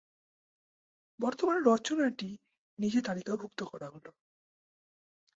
বর্তমান রচনাটি নিচে তালিকাভুক্ত করা হল।